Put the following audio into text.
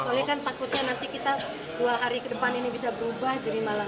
soalnya kan takutnya nanti kita dua hari ke depan ini bisa berubah jadi malah